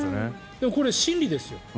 でもこれ真理ですよ。